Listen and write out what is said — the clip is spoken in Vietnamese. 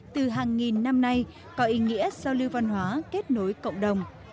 từ hàng nghìn năm nay có ý nghĩa giao lưu văn hóa kết nối cộng đồng